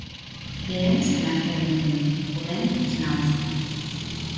Lehen zalantzak nituen, orain ez nago ziur.